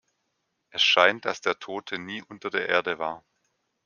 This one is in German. Es scheint, dass der Tote nie unter der Erde war.